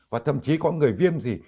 và thậm chí có người viêm gì